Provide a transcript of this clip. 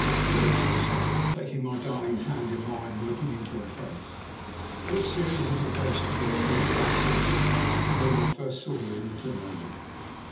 "Phyllis," I said, taking my darling's hand in mine and looking into her face, "what a series of adventures we have both passed through since that afternoon I first saw you in the Domain!